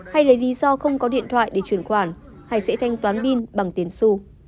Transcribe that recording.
hay lấy lý do không có điện thoại để chuyển khoản hay sẽ thanh toán bin bằng tiền su